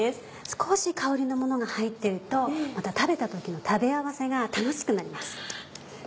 少し香りのものが入ってるとまた食べた時の食べ合わせが楽しくなります。